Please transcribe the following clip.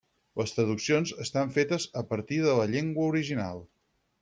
Les traduccions estan fetes a partir de la llengua original.